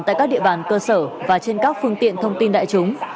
tại các địa bàn cơ sở và trên các phương tiện thông tin đại chúng